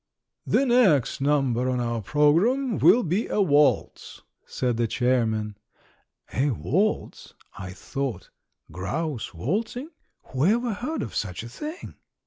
"The next number on our program will be a waltz," said the chairman. "A waltz," I thought; "grouse waltzing; whoever heard of such a thing?"